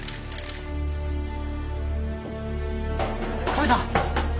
カメさん！